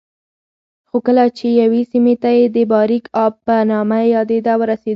خو کله چې یوې سیمې ته چې د باریکآب په نامه یادېده ورسېدو